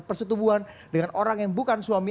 persetubuhan dengan orang yang bukan suami